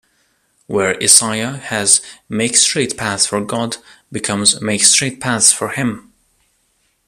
Where Isaiah has "make straight paths for God" becomes "make straight paths for him".